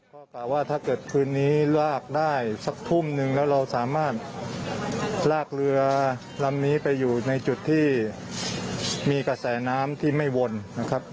ก็กล่าวว่าถ้าเกิดคืนนี้ลากได้สักทุ่มนึงแล้วเราสามารถลากเรือลำนี้ไปอยู่ในจุดที่มีกระแสน้ำที่ไม่วนนะครับ